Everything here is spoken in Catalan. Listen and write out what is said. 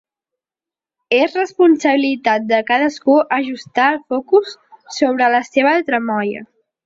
És responsabilitat de cadascú ajustar el focus sobre la seva tramoia.